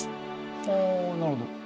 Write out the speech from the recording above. ああなるほど。